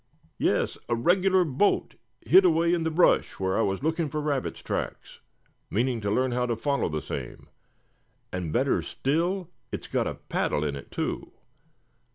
Yes, a regular boat, hid away in the brush where I was looking for rabbits' tracks; meanin' to learn how to follow the same. And better still, it's got a paddle in it, too.